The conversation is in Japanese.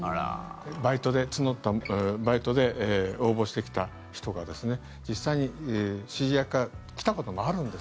バイトで募ったバイトで応募してきた人が実際に指示役が来たこともあるんです。